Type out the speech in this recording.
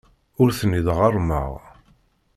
Ur ten-id-ɣerrmeɣ.